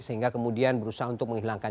sehingga kemudian berusaha untuk menghilangkan